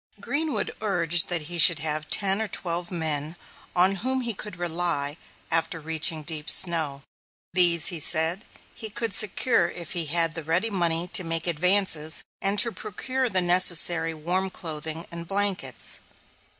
Greenwood urged that he should have ten or twelve men on whom he could rely after reaching deep snow. These, he said, he could secure if he had the ready money to make advances and to procure the necessary warm clothing and blankets.